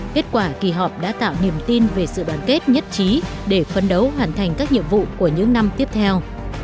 kết quả kỳ họp đã tạo niềm tin về sự đoàn kết nhất trí để phấn đấu hoàn thành các nhiệm vụ của những năm tiếp theo